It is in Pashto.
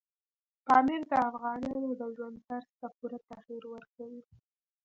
پامیر د افغانانو د ژوند طرز ته پوره تغیر ورکوي.